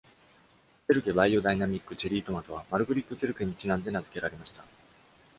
セルケ・バイオダイナミック・チェリートマトは、マルグリット・セルケにちなんで名付けられました。